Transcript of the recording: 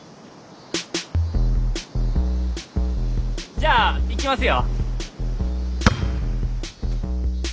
じゃあいきますよ。